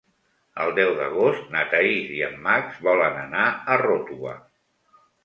El deu d'agost na Thaís i en Max volen anar a Ròtova.